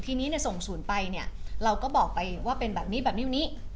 ทีนี้ส่งศูนย์ไปเนี่ยเราก็บอกไปว่าเป็นแบบนี้แบบนี้